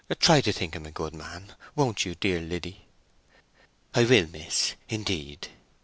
"Try to think him a good man, won't you, dear Liddy?" "I will, miss, indeed."